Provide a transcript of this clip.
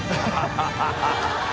ハハハ